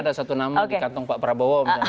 ada satu nama di kantong pak prabowo misalnya